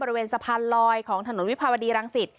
บริเวณสะพานลอยของถนนวิภาวดีรังสิต